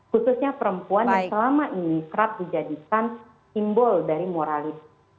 khususnya perempuan yang selama ini kerap dijadikan simbol dari moralis